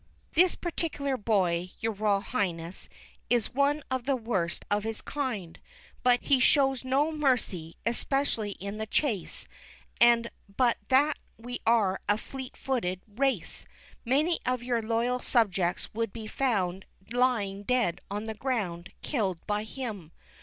This particular Boy, your Royal Highness, is one of the worst of his kind ; he shows no mercy, espe cially in the chase, and but that we are a fleet footed race, many of your loyal subjects would be found lying dead on the ground, killed by him.